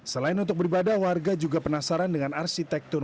selain untuk beribadah warga juga penasaran dengan arsitektur